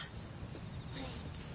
はい。